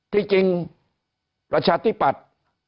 ที่จริงประชาธิปัตย์